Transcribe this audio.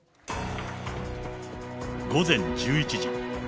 午前１１時。